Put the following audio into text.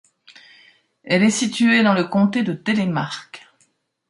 Elle est située dans le comté de Telemark.